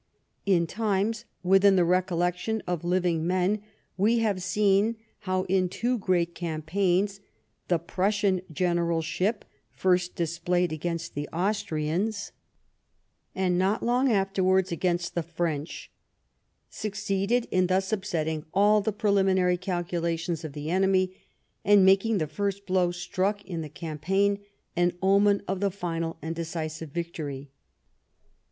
In times within the recollection of living men we have seen how in two great campaigns the Prussian gen eralship, first displayed against the Austrians, and not long afterwards against the French, succeeded in thus upsetting all the preliminary calculations of the enemy, and making the first blow struck in the cam paign an omen of the final and decisive victory.